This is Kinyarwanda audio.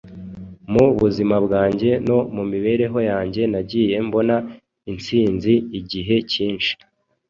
Mu buzima bwanjye no mu mibereho yanjye nagiye mbona insinzi igihe cyinshi.